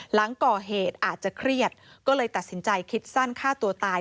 หลังก่อเหตุอาจจะเครียดก็เลยตัดสินใจคิดสั้นฆ่าตัวตาย